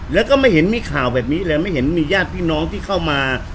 แล้วก็ไม่เห็นมีข่าวแบบนี้เลยไม่เห็นมีญาติพี่น้องที่เข้ามา